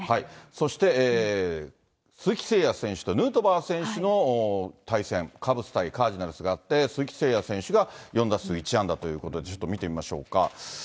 そして、鈴木誠也選手とヌートバー選手の対戦、カブス対カージナルスがあって、鈴木誠也選手が４打数１安打ということで、ちょっと見てみましょうか。